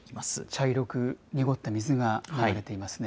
茶色く濁った水が流れていますね。